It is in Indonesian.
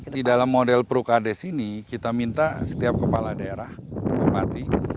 jadi di dalam model perukades ini kita minta setiap kepala daerah kepati